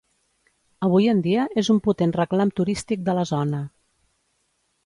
Avui en dia és un potent reclam turístic de la zona.